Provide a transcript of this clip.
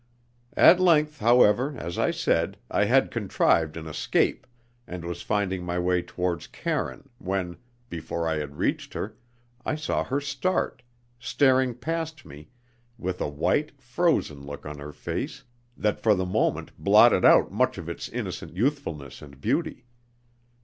At length, however, as I said, I had contrived an escape, and was finding my way towards Karine, when, before I had reached her, I saw her start, staring past me with a white, frozen look on her face that for the moment blotted out much of its innocent youthfulness and beauty.